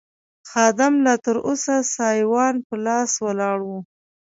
خادم لا تراوسه سایوان په لاس ولاړ و.